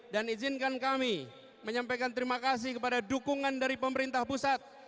dan izinkan kami menyampaikan terima kasih kepada dukungan dari pemerintah pusat